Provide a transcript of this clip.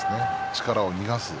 力を逃がす。